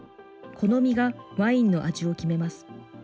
この実がワインの味を決めます。